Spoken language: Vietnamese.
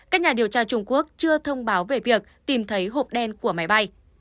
các nhà điều tra trung quốc chưa thông báo về việc tìm thấy hộp đen của máy bay